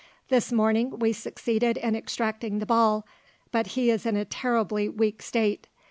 This morning we succeeded in extracting the ball, but he is in a terribly weak state.